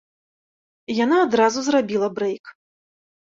Яна адразу зрабіла брэйк.